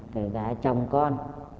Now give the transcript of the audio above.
kể cả chồng con